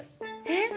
えっ？